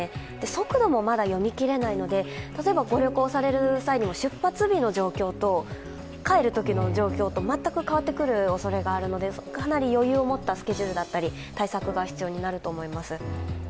速度もまだ読みきれないので例えばご旅行される際にも出発日の状況と帰るときの状況と、全く変わってくるおそれがあるので、かなり余裕を持ったスケジュールや対策が必要になってきます。